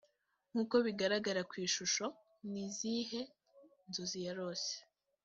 nk’uko bigaragara ku ishusho ni izihe nzozi yarose‽